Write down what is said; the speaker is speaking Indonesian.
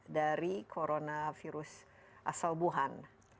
dari coronavirus asal wuhan